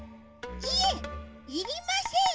いえいりません。